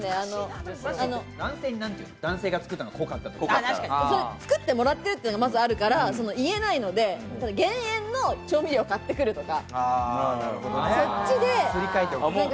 まず、作ってもらっているというのがあるから言えないので、減塩の調味料を買ってくるとか。